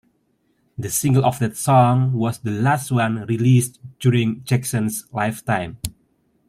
The single of that song was the last one released during Jackson's lifetime.